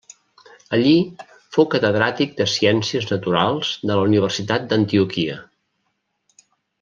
Allí fou catedràtic de ciències naturals de la Universitat d'Antioquia.